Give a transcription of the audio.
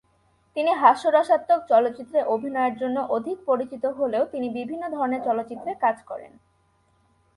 তিনি হাস্যরসাত্মক চলচ্চিত্রে অভিনয়ের জন্য অধিক পরিচিত হলেও তিনি বিভিন্ন ধরনের চলচ্চিত্রে কাজ করেন।